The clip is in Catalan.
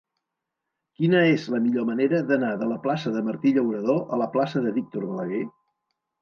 Quina és la millor manera d'anar de la plaça de Martí Llauradó a la plaça de Víctor Balaguer?